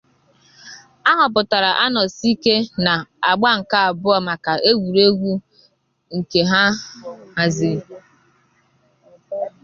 A họpụtara Anosike na agba nke abụọ maka egwuregwu nke nke haziri.